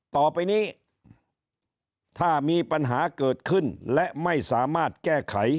ต่อไปนี้ถ้ามีปัญหาเกิดขึ้นและไม่สามารถแก้ไข